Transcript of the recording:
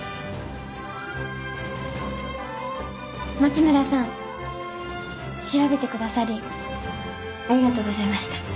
町村さん調べてくださりありがとうございました。